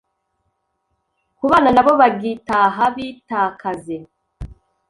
Kubana nabo bagitaha bitakaze